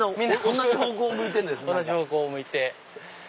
同じ方向を向いて。